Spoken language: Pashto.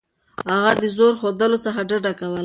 هغه د زور ښودلو څخه ډډه کوله.